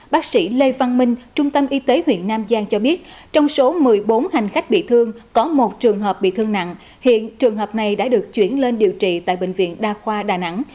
bác sĩ lê văn minh trung tâm y tế huyện nam giang cho biết trong số một mươi bốn hành khách bị thương có một trường hợp bị thương nặng hiện trường hợp này đã được chuyển lên điều trị tại bệnh viện đa khoa đà nẵng